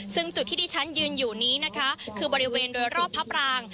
ซึ่งจุดที่ที่ฉันยืนอยู่นี้นะคะคือบริเวณโดยรอบพระปราง